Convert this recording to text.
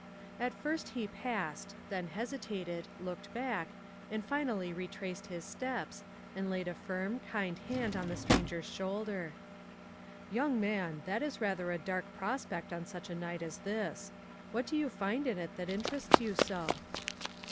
At first he passed, then hesitated, looked back, and finally retraced his steps, and laid a firm, kind hand on the stranger's shoul der. "Young man, that is rather a dark pros pect on such a night as this. What do you find in it that interests you so?"